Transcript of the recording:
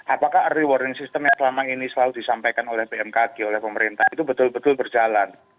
apakah early warning system yang selama ini selalu disampaikan oleh bmkg oleh pemerintah itu betul betul berjalan